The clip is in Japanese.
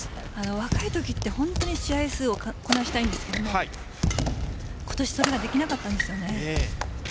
若いときって本当に試合数をこなしたいんですが今年、それができなかったんです。